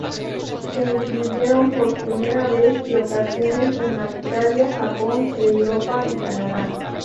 Se incluyeron por primera vez locaciones en Australia, Japón, Europa y Canadá.